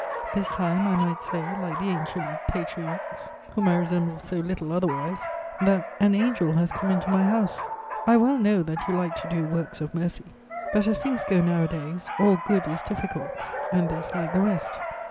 This time I might say, like the ancient patriarchs, whom I resemble so little otherwise, that 'an angel has come into my house.' I well know that you like to do works of mercy; but, as things go nowadays, all good is difficult, and this like the rest.